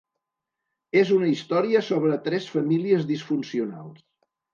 És una història sobre tres famílies disfuncionals.